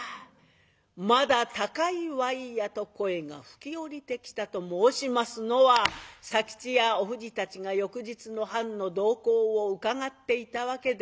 「まだ高いわいや」と声が吹き降りてきたと申しますのは佐吉やおふじたちが翌日の藩の動向をうかがっていたわけです。